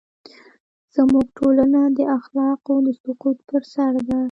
زموږ ټولنه د اخلاقو د سقوط پر سر ده.